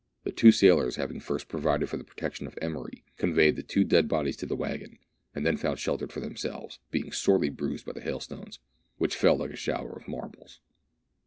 The two sailors, having first provided for the protection of Emery, conveyed the two dead bodies to the waggon, and then found shelter for themselves, being sorely bruised by the hailstones, which fell like a shower of marbles.